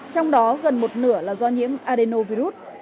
trong đó gần một nửa là do nhiễm adenovirus